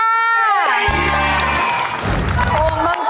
เย้